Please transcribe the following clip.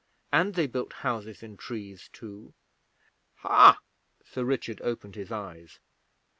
And they built houses in trees, too.' 'Ha!' Sir Richard opened his eyes.